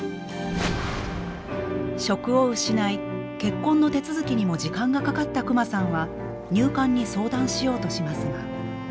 職を失い結婚の手続きにも時間がかかったクマさんは入管に相談しようとしますが。